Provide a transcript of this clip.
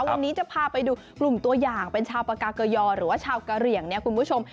วันนี้จะพาไปดูกลุ่มตัวอย่างเป็นชาวปากาเกยอหรือว่าชาวกะเหลี่ยงเนี่ยคุณผู้ชม